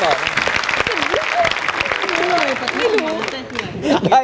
หองตรงอื่นต่อละนี่